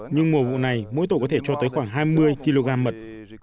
nhưng mùa vụ này mỗi tổ có thể cho tới khoảng hai mươi kg mật